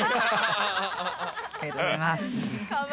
ありがとうございます